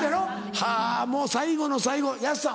はぁもう最後の最後安さん